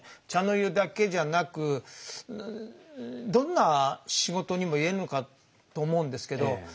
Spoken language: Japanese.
茶の湯だけじゃなくどんな仕事にも言えるのかと思うんですけど